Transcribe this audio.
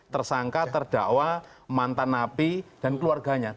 tersangka terdakwa mantan napi dan keluarganya